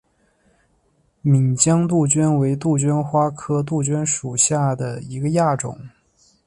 岷江杜鹃为杜鹃花科杜鹃属下的一个亚种。